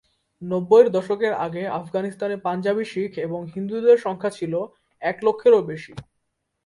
নব্বইয়ের দশকের আগে আফগানিস্তানে পাঞ্জাবী শিখ এবং হিন্দুদের সংখ্যা ছিল এক লক্ষেরও বেশি।